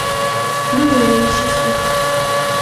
Мыр ууейщи, сӏых.